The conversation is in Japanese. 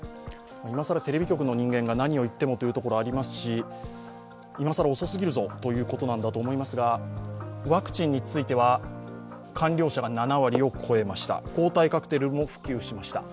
今更テレビ局の人間が何を言ってもというところがありますし今更遅すぎるぞということだと思いますが、ワクチンについては、完了者が７割を超えました。